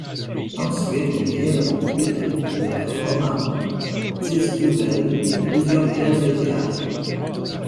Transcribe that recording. Ensuite viendront huit autres romans, dix nouvelles et plusieurs pièces de théâtre.